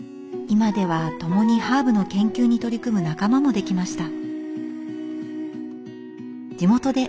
今では共にハーブの研究に取り組む仲間もできました。